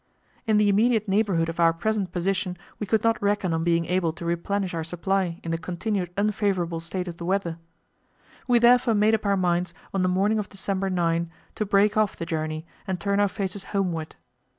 In the immediate neighbourhood of our present position we could not reckon on being able to replenish our supply in the continued unfavourable state of the weather. We therefore made up our minds on the morning of December 9 to break off the journey and turn our faces homeward.